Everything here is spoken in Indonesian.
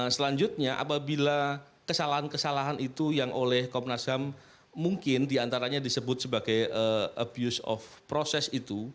selanjutnya apabila kesalahan kesalahan itu yang oleh komnas ham mungkin diantaranya disebut sebagai abuse of process itu